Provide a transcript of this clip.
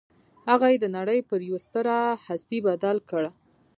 هغه يې د نړۍ پر يوه ستره هستي بدل کړ.